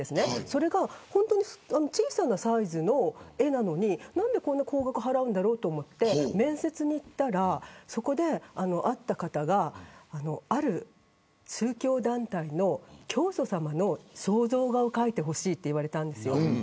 それが本当に小さなサイズの絵なのに何で、こんな高額を払うのだろうと思って面接に行ったらそこで、会った方がある宗教団体の教祖さまの肖像画を描いてほしいと言われたんですよ。